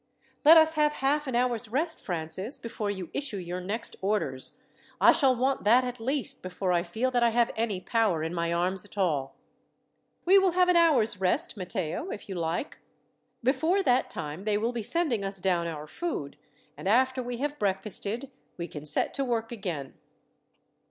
"Let us have half an hour's rest, Francis, before you issue your next orders. I shall want that, at least, before I feel that I have any power in my arms at all." "We will have an hour's rest, Matteo, if you like. Before that time they will be sending us down our food, and after we have breakfasted we can set to work again."